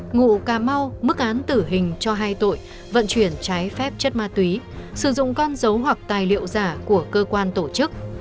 ngụ cà mau mức án tử hình cho hai tội vận chuyển trái phép chất ma túy sử dụng con dấu hoặc tài liệu giả của cơ quan tổ chức